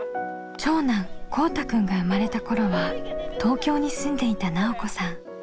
長男こうたくんが生まれた頃は東京に住んでいた奈緒子さん。